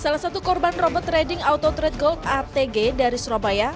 salah satu korban robot trading auto trade gold atg dari surabaya